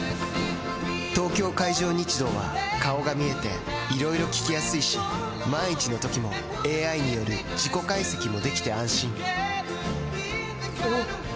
東京海上日動は顔が見えていろいろ聞きやすいし万一のときもＡＩによる事故解析もできて安心おぉ！